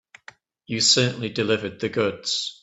You certainly delivered the goods.